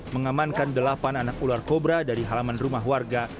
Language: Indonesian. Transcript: mengamankan delapan anak ular kobra dari halaman rumah warga